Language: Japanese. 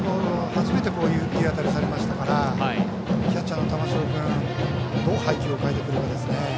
初めていい当たりをされましたからキャッチャーの玉城君どう配球を変えてくるかですね。